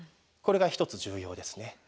これが１つ重要ですね。